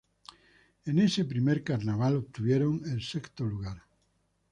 En ese primer carnaval, obtuvieron el sexto lugar.